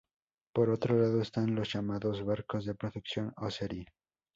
Por otro lado, están los llamados barcos de producción o serie.